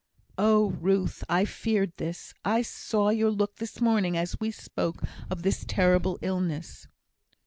"Oh, Ruth! I feared this; I saw your look this morning as we spoke of this terrible illness."